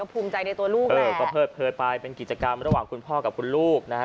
ภูมิใจในตัวลูกเออก็เพิดเผยไปเป็นกิจกรรมระหว่างคุณพ่อกับคุณลูกนะฮะ